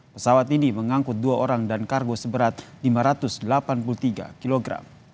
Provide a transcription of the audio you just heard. pesawat ini mengangkut dua orang dan kargo seberat lima ratus delapan puluh tiga kg